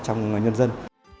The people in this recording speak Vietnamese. trong nhân dân